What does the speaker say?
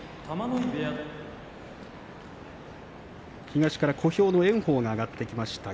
東から、小兵の炎鵬が上がってきました。